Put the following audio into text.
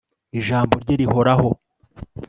ijambo rye rihoraho